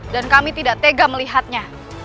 dan kami tidak tega melihatnya